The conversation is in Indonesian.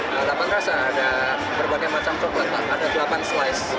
delapan rasa ada berbagai macam sobat ada delapan slice